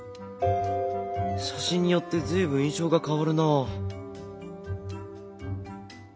写真によって随分印象が変わるなあ。